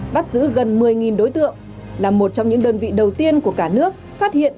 bắt giữ gần một mươi đối tượng là một trong những đơn vị đầu tiên của cả nước phát hiện